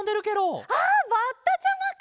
あっバッタちゃまか！